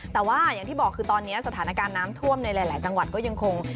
แต่ว่าอย่างที่บอกคือตอนนี้สถานการณ์น้ำท่วมในหลายจังหวัดก็ยังคง